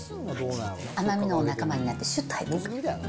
甘みのお仲間になってしゅっと入っていく。